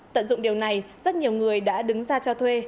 tận dụng điều này rất nhiều người đã đứng ra cho thuê